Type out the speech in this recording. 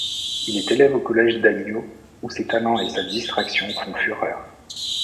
Il est élève au Collège d'Agneaux où ses talents et sa distraction font fureur.